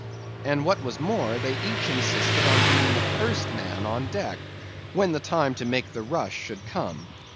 And what was more, they each insisted upon being the first man on deck, when the time to make the rush should come.